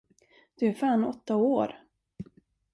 Du är fan åtta år!